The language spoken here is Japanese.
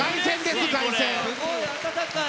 すごい温かい。